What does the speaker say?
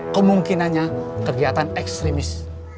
kemungkinannya kegiatan ekstremis